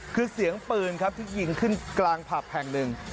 คือเสียงปืนครับที่ยิงขึ้นกลางผับแห่งหนึ่ง